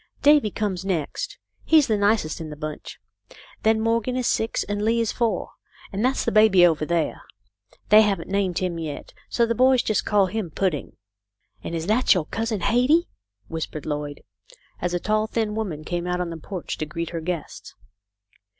Davy comes next. He's the nicest in the bunch. Then Morgan is six, and Lee is four, and that's the baby over there. They haven't named him yet, so the boys just call him Pudding." "And is that your cousin Hetty?" Whispered Lloyd, as a tall, thin woman came out on the porch to greet her guests.